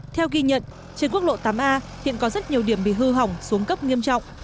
theo ghi nhận trên quốc lộ tám a hiện có rất nhiều điểm bị hư hỏng xuống cấp nghiêm trọng